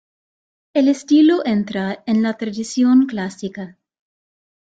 El estilo entra en la tradición clásica.